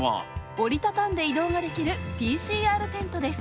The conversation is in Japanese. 折り畳んで移動ができるＰＣＲテントです。